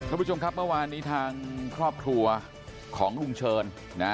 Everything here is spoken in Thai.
คุณผู้ชมครับเมื่อวานนี้ทางครอบครัวของลุงเชิญนะ